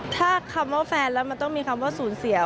ถ้าคำว่าแฟนแล้วมันต้องมีคำว่าสูญเสีย